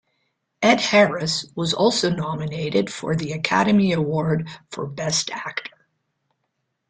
Ed Harris was also nominated for the Academy Award for Best Actor.